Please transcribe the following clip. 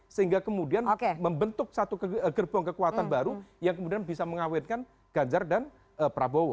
sehingga kemudian membentuk satu gerbong kekuatan baru yang kemudian bisa mengawetkan ganjar dan prabowo